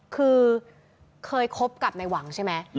คือเคยคบกับในหวังใช่ไหม